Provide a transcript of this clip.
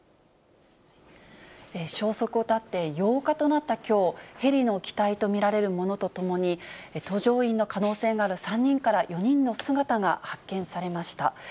消息を絶って８日となったきょう、ヘリの機体と見られるものとともに、搭乗員の可能性がある３人から４人の姿が発見されました。